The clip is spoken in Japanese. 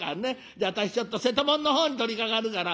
じゃあ私ちょっと瀬戸物の方に取りかかるから」。